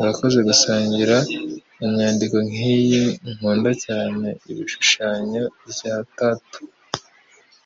Urakoze gusangira inyandiko nkiyi. Nkunda cyane ibishushanyo bya tattoo